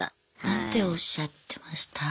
何ておっしゃってました？